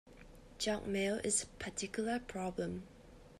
Junk mail is a particular problem